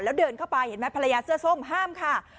แล้วเดินเข้าไปเห็นไหมภรรยาเสื้อส้มห้ามค่ะ